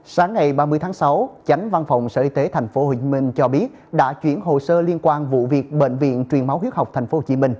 sáng ngày ba mươi tháng sáu chánh văn phòng sở y tế tp hcm cho biết đã chuyển hồ sơ liên quan vụ việc bệnh viện truyền máu huyết học tp hcm